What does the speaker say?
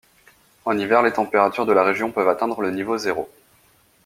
En hiver, les températures de la région peuvent atteindre le niveau zéro.